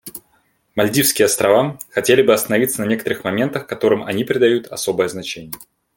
Мальдивские Острова хотели бы остановиться на некоторых моментах, которым они придают особое значение.